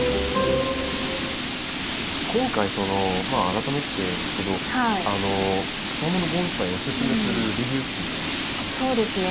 今回改めてですけど草もの盆栽をおすすめする理由っていうのは何ですか？